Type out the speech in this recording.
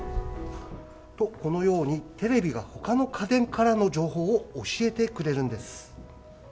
と、このようにテレビがほかの家電からの情報を教えてくれるんです。